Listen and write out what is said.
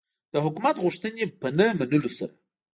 د حکومت غوښتنې په نه منلو سره.